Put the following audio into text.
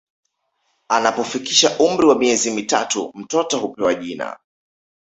Anapofikisha umri wa miezi mitatu mtoto hupewa jina